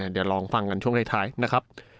เดี๋ยวลองฟังกันช่วงท้ายนะครับ